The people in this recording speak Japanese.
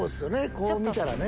こう見たらね。